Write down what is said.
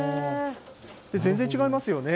全然違いますよね。